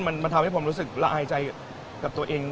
มันทำให้ผมรู้สึกละอายใจกับตัวเอง